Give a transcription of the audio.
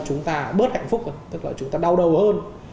chúng ta bớt hạnh phúc tức là chúng ta đau đầu hơn